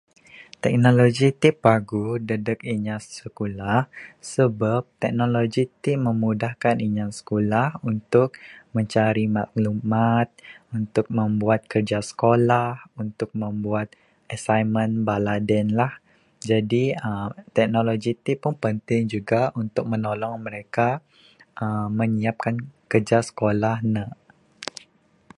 Teknologi tik paguh dedek inya sikulah sabab teknologi ti memudahkan inya sikulah untuk mencari maklumat, untuk membuat kerja sekolah, untuk membuat assignment bala den lah. Teknologi ti juga untuk menolong uhh menyiapkan kerja sekolah ne.